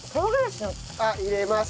あっ入れます。